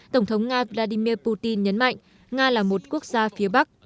tổng thống nga vladimir putin nhấn mạnh nga là một quốc gia phía bắc